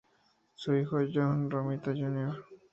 Su hijo John Romita Jr.